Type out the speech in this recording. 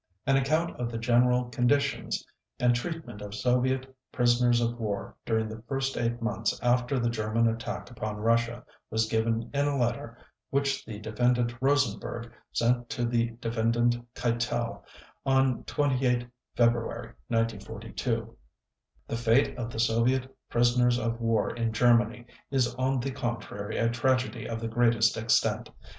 An account of the general conditions and treatment of Soviet prisoners of war during the first eight months after the German attack upon Russia was given in a letter which the Defendant Rosenberg sent to the Defendant Keitel on 28 February 1942: "The fate of the Soviet prisoners of war in Germany is on the contrary a tragedy of the greatest extent